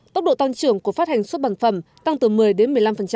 tốc độ tăng trưởng của phát hành xuất bản phẩm tăng từ một mươi đến một mươi năm